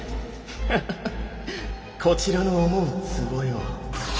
ハハハッこちらの思うつぼよ。